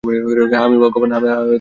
হ্যাঁ, আমি ভাগ্যবান।